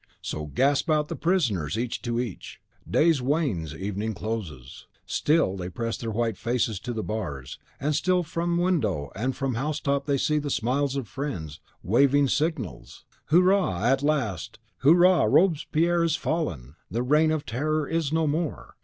So gasp out the prisoners, each to each. Day wanes evening closes; still they press their white faces to the bars, and still from window and from house top they see the smiles of friends, the waving signals! "Hurrah!" at last, "Hurrah! Robespierre is fallen! The Reign of Terror is no more!